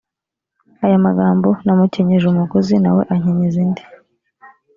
aya magambo namukenyeje umugozi na we ankenyeza indi